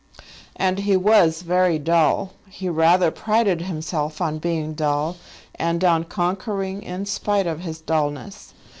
And he was very dull. He rather prided himself on being dull, and on conquering in spite of his dullness.